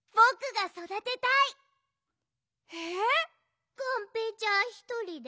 がんぺーちゃんひとりで？